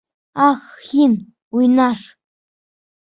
Ах һин, уйнаш!